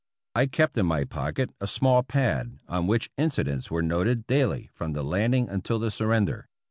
I kept in my pocket a small pad on which incidents were noted daily from the landing until the surrender.